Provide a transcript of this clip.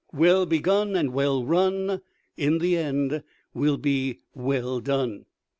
Well begun and well run in the end will be well done.